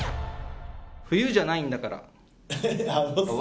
「冬じゃないんだから」。